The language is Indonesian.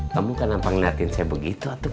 kamu kenapa ngeliatin saya begitu atuh kum